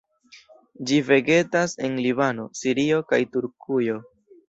Ĝi vegetas en Libano, Sirio, kaj Turkujo.